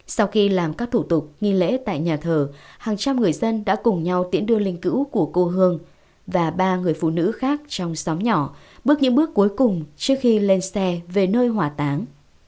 sau khi làm các thủ tục nghi lễ tại nhà thờ hàng trăm người dân đã cùng nhau tiễn đưa linh cữu của cô hương và ba người phụ nữ khác trong xóm nhỏ bước những bước cuối cùng trước khi lên xe về nơi hỏa táng